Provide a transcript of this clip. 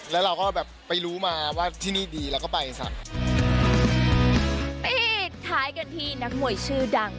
แล้วเราก็แบบไปรู้มาว่าที่นี่ดีเราก็ไปค่ะปิดท้ายกันที่นักมวยชื่อดัง